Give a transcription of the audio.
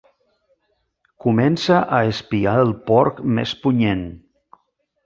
Comença a espiar el porc més punyent.